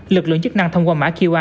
lực lượng chức năng thông qua mã qr